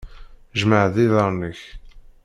Jmeε-d iḍarren-ik!